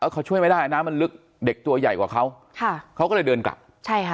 เขาช่วยไม่ได้น้ำมันลึกเด็กตัวใหญ่กว่าเขาค่ะเขาก็เลยเดินกลับใช่ค่ะ